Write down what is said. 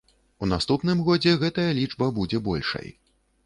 І ў наступным годзе гэтая лічба будзе большай.